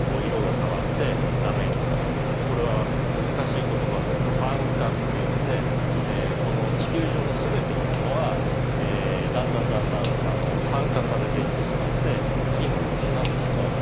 これは難しい言葉で酸化っていってこの地球上の全てのものはだんだんだんだん酸化されていってしまって機能を失ってしまう。